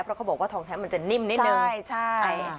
เพราะเขาบอกว่าทองแท้มันจะนิ่มนิดนึงใช่ใช่